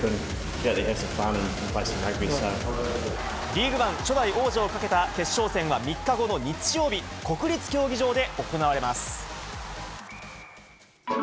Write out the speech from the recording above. リーグワン初代王者をかけた決勝戦は３日後の日曜日、国立競技場で行われます。